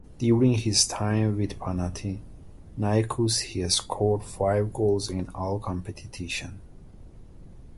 During his time with Panathinaikos he scored five goals in all competitions.